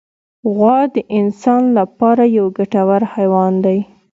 غوا د انسان له پاره یو ګټور حیوان دی.